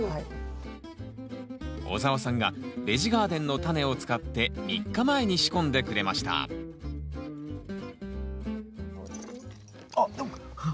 オザワさんがベジガーデンのタネを使って３日前に仕込んでくれましたあっ！